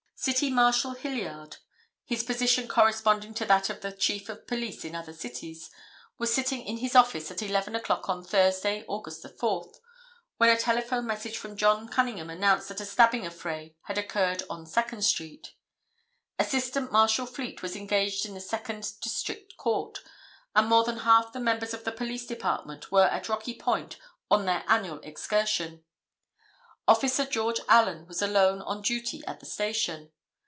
City Marshal Hilliard, his position corresponding to that of the Chief of Police in other cities, was sitting in his office at 11 o'clock on Thursday, Aug. 4, when a telephone message from John Cunningham announced that a stabbing affray had occurred on Second street. Assistant Marshal Fleet was engaged in the Second District Court, and more than half the members of the police department were at Rocky Point on their annual excursion. Officer George Allen was alone on duty at the station.